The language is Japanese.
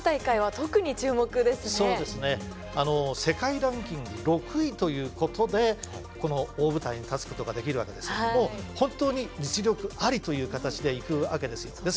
世界ランキング６位ということでこの大舞台に立つことができるわけですけども本当に実力ありという形でいくわけですよ。